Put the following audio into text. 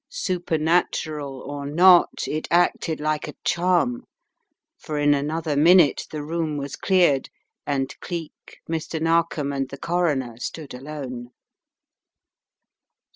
Supernatural or not it acted like a charm, for in another minute the room was cleared and Cleek, Mr. Narkom and the Coroner stood alone.